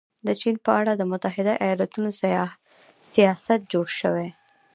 د چین په اړه د متحده ایالتونو سیاست جوړ شوی.